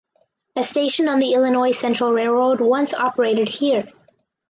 A station on the Illinois Central Railroad once operated here.